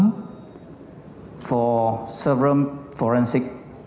untuk beberapa jurnal forensik